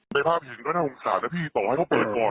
ในภาพเห็นก็น่าสงสารนะพี่บอกให้เขาเปิดก่อน